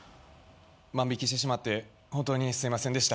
万引してしまって本当にすいませんでした。